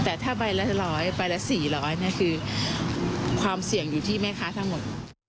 แต่ถ้าใบละ๑๐๐ใบละ๔๐๐เนี่ยคือความเสี่ยงอยู่ที่แม่ค้าทั้งหมด